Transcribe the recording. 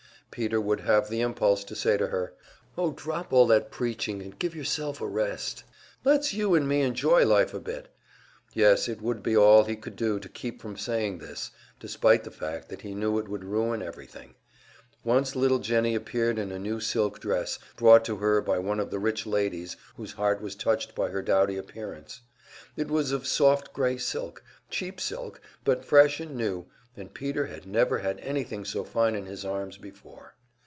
Peter would have the impulse to say to her: "Oh, drop all that preaching, and give yourself a rest! Let's you and me enjoy life a bit." Yes, it would be all he could do to keep from saying this despite the fact that he knew it would ruin everything. Once little Jennie appeared in a new silk dress, brought to her by one of the rich ladies whose heart was touched by her dowdy appearance. It was of soft grey silk cheap silk, but fresh and new, and Peter had never had anything so fine in his arms before.